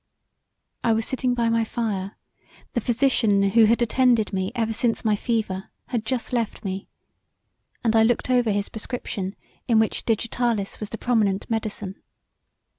I was sitting by my fire, the physician who had attended me ever since my fever had just left me, and I looked over his prescription in which digitalis was the prominent medecine.